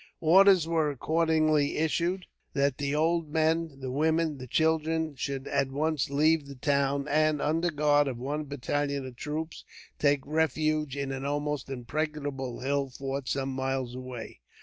Orders were accordingly issued that the old men, the women, and children should at once leave the town; and, under guard of one battalion of troops, take refuge in an almost impregnable hill fort some miles away.